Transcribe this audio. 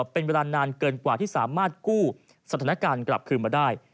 เป็นเวลานานเกินกว่าที่สามารถกู้สถานการณ์กลับคืนมาได้